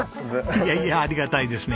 いやいやありがたいですね。